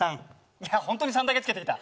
いや本当に「さん」だけ付けてきた。